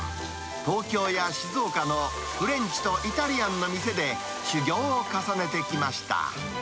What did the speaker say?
東京や静岡のフレンチとイタリアンの店で修業を重ねてきました。